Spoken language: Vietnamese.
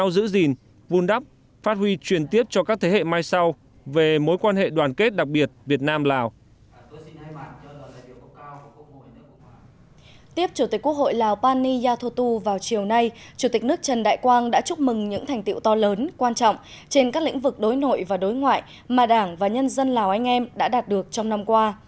tiếp chủ tịch quốc hội lào pani yathutu vào chiều nay chủ tịch nước trần đại quang đã chúc mừng những thành tiệu to lớn quan trọng trên các lĩnh vực đối nội và đối ngoại mà đảng và nhân dân lào anh em đã đạt được trong năm qua